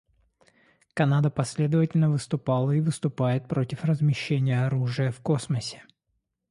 Канада последовательно выступала и выступает против размещения оружия в космосе.